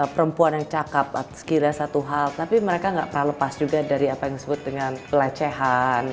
perempuan yang cakep sekiranya satu hal tapi mereka nggak pernah lepas juga dari apa yang disebut dengan pelecehan